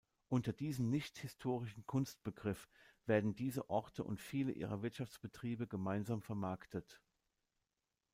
Unter diesem nicht historischen Kunstbegriff werden diese Orte und viele ihrer Wirtschaftsbetriebe gemeinsam vermarktet.